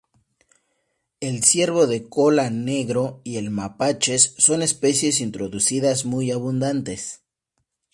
El ciervo de cola negro y el mapaches son especies introducidas muy abundantes.